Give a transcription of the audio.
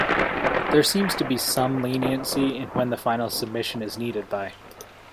There seems to be some leniency in when the final submission is needed by.